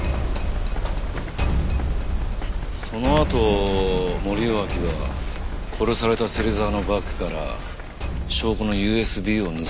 そのあと森脇は殺された芹沢のバッグから証拠のＵＳＢを盗んだ。